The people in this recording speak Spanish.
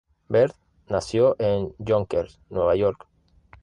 Bert nació en Yonkers, Nueva York.